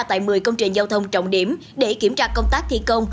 tại một mươi công trình giao thông trọng điểm để kiểm tra công tác thi công